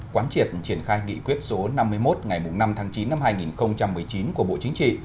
quán triệt triển khai nghị quyết số năm mươi một ngày năm tháng chín năm hai nghìn một mươi chín của bộ chính trị